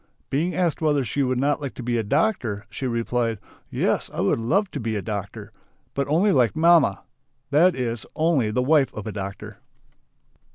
Being asked whether she would not like to be a doctor, she replied: "Yes! I would love to be a doctor! But only like mamma." That is, only the wife of a doctor.